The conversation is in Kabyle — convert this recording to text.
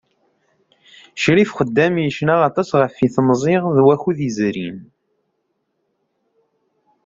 Ccrif Xeddam yecna aṭas ɣef temẓi d wakud izerrin.